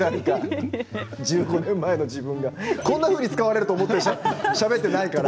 １５年前の自分がこんなふうに使われると思ってしゃべってないから。